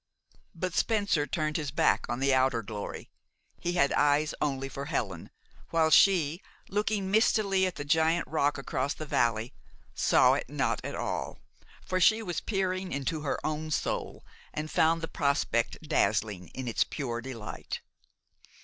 But Spencer turned his back on the outer glory. He had eyes only for Helen, while she, looking mistily at the giant rock across the valley, saw it not at all, for she was peering into her own soul, and found the prospect dazzling in its pure delight.